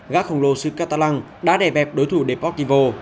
gác khổng lồ sứ katalang đã đè bẹp đối thủ deportivo